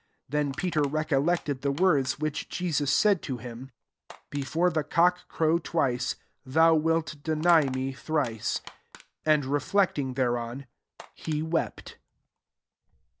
Then Pe ter recollected the words which Jesus said to him, Before the cock crow twice, thou wilt deny me thrice. And reflecting thereon, he wept.